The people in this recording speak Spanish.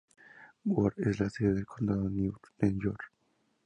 York es la sede del Condado de York.